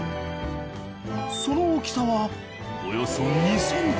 その大きさはおよそ２ｃｍ